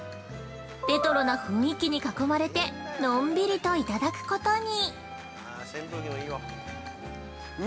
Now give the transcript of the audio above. レトロな雰囲気に囲まれてのんびりといただくことに。